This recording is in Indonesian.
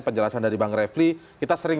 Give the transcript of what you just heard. tetapi saat nanti akan dilakukan